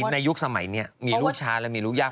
ยุคสมัยนี้มีลูกช้าและมีลูกยาก